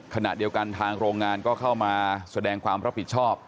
ขณะเดียวกันทางโรงงานก็เข้ามาแสดงความรับผิดชอบ